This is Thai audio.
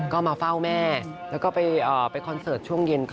ก็มาเฝ้าแม่แล้วก็ไปคอนเสิร์ตช่วงเย็น